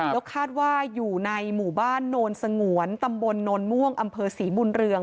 แล้วคาดว่าอยู่ในหมู่บ้านโนนสงวนตำบลโนนม่วงอำเภอศรีบุญเรือง